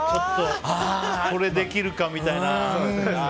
これできるか、みたいな。